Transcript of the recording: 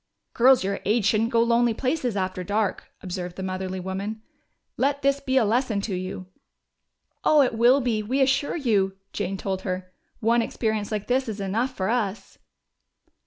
"Girls your age shouldn't go lonely places after dark," observed the motherly woman. "Let this be a lesson to you!" "Oh, it will be, we assure you!" Jane told her. "One experience like this is enough for us."